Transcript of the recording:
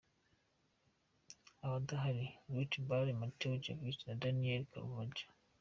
Abadahari:Gareth Bale, Matteo Kovačić na Daniel Carvajal.